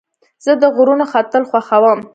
زه د غرونو ختل خوښوم.